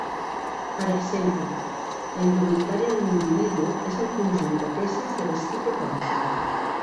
Per exemple, la indumentària d'un individu és el conjunt de peces de vestir que porta.